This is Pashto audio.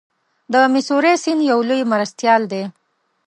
د میسوری سیند یو لوی مرستیال دی.